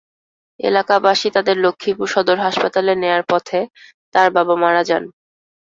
এলাকাবাসী তাঁদের লক্ষ্মীপুর সদর হাসপাতালে নেওয়ার পথে তাঁর বাবা মারা যান।